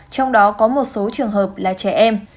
trong đó có một số trường hợp là trẻ em